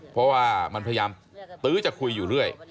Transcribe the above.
เพราะว่ามันพยายามตื้อจะคุยอยู่เรื่อย